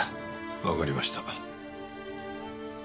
わかりました。